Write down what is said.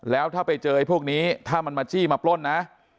แล้วถ้าไปเจอไอ้พวกนี้ถ้ามันมาจี้มาปล้นนะ